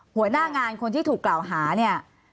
หัวหน้างานคนที่ถูกกล่าวหาเนี่ย